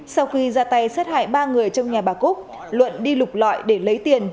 sau khi ra tay xét hại ba người trong nhà bà cúc luận đi lục loại để lấy tiền